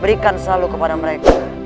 berikan selalu kepada mereka